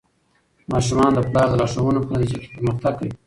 ماشومان د پلار د لارښوونو په نتیجه کې پرمختګ کوي.